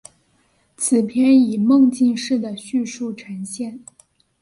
该片以梦境式的叙述呈现。